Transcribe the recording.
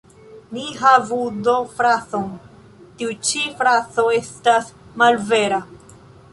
Ni havu do frazon ""Tiu ĉi frazo estas malvera.